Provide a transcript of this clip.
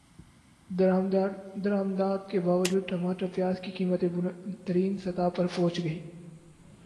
درمدات کے باوجود ٹماٹر پیاز کی قیمتیں بلند ترین سطح پر پہنچ گئیں